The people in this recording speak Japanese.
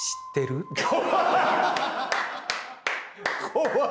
怖い！